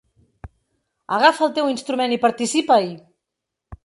Agafa el teu instrument i participa-hi!